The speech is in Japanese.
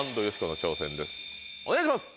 お願いします！